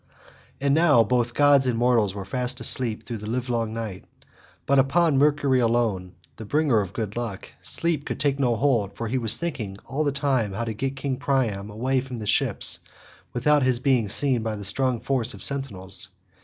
And now both gods and mortals were fast asleep through the livelong night, but upon Mercury alone, the bringer of good luck, sleep could take no hold for he was thinking all the time how to get King Priam away from the ships without his being seen by the strong force of sentinels.